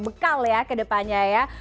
bekal ya ke depannya ya